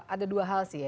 ada dua hal sih ya